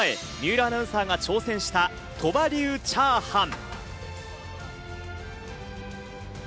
２年前、水卜アナウンサーが挑戦した鳥羽流チャーハン。